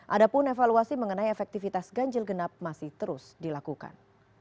ada pun evaluasi mengenai efektivitas ganjil genap masih terus dilakukan